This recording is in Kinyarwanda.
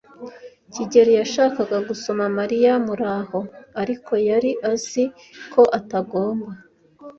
kigeli yashakaga gusoma Mariya muraho, ariko yari azi ko atagomba.